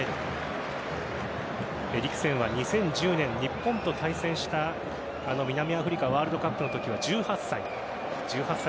エリクセンは２０１０年日本と対戦した、南アフリカワールドカップのときは１８歳。